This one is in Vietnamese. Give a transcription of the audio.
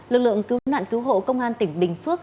lực lượng cứu nạn cứu hộ công an tỉnh bình phước